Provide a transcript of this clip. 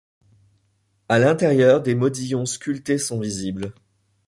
À l'intérieur, des modillons sculptés sont visibles.